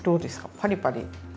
パリパリ。